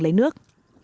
để lấy nước